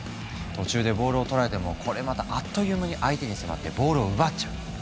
途中でボールを取られてもこれまたあっという間に相手に迫ってボールを奪っちゃう。